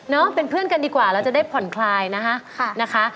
เป็นเพื่อนกันดีกว่าเราจะได้ผ่อนคลายนะคะนะคะ